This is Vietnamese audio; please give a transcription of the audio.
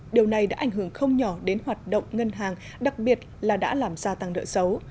điều này đã ảnh hưởng không nhỏ đến hoạt động ngân hàng đặc biệt là đã làm gia tăng nợ xấu